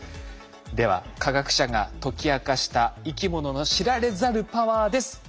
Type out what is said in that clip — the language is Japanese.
では科学者が解き明かした生きものの知られざるパワーです。